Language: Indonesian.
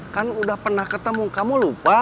kan udah pernah ketemu kamu lupa